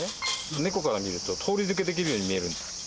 猫から見ると通り抜けできるように見えるんです。